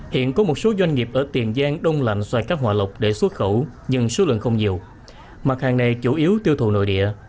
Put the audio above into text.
hiện có một số doanh nghiệp ở tiền giang đông lạnh xoài cá hòa lộc để xuất khẩu nhưng số lượng không nhiều mặt hàng này chủ yếu tiêu thụ nội địa